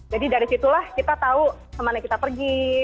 jadi dari situlah kita tahu kemana kita pergi